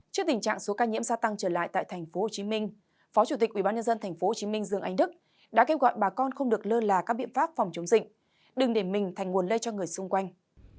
trước tình trạng số ca nhiễm gia tăng trở lại tại tp hcm phó chủ tịch ubnd tp hcm dương anh đức đã kêu gọi bà con không được lơ là các biện pháp phòng chống dịch đừng để mình thành nguồn lây cho người xung quanh